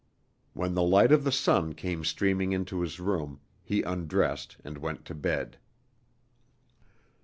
When the light of the sun came streaming into his room, he undressed and went to bed.